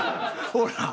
ほら！